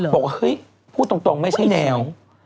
บอกพูดตรงไม่ใช่แนว